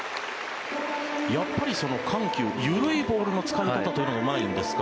やっぱり緩急緩いボールの使い方というのがうまいんですか？